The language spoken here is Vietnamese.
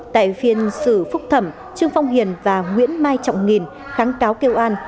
tại phiên xử phúc thẩm trương phong hiền và nguyễn mai trọng nghìn kháng cáo kêu an